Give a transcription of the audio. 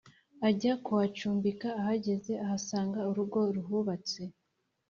ajya kuhacumbika ahageze ahasanga urugo ruhiubatse